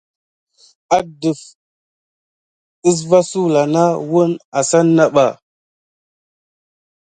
Adef gəlva sulà nà wune akane ɓa.